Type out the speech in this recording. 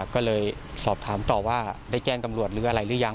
ก็เลยสอบถามต่อว่าได้แจ้งตำรวจหรืออะไรหรือยัง